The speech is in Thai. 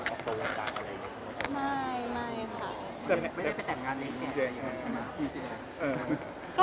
สำหรับที่ว่าจะเปลี่ยนกับตัวตัวต่างอะไรอย่างเงี้ยค่ะ